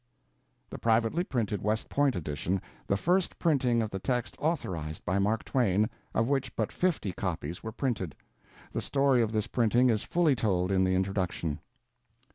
The privately printed West Point edition, the first printing of the text authorized by Mark Twain, of which but fifty copies were printed. The story of this printing is fully told in the Introduction.